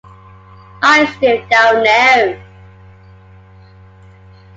I still don’t know.